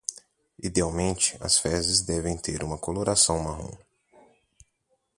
Idealmente, as fezes devem ter uma coloração marrom